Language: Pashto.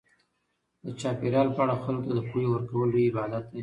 د چاپیریال په اړه خلکو ته د پوهې ورکول لوی عبادت دی.